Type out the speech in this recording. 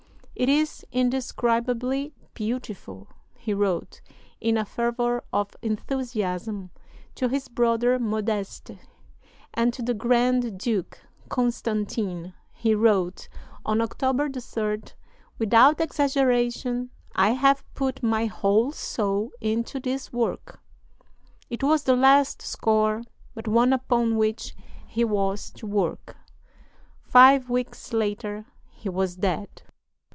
"It is indescribably beautiful," he wrote, in a fervor of enthusiasm, to his brother Modeste; and to the Grand Duke Constantine he wrote, on October 3d: "Without exaggeration I have put my whole soul into this work." It was the last score but one upon which he was to work. Five weeks later he was dead.